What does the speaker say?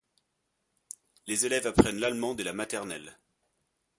Les élèves apprennent l’allemand dès la maternelle.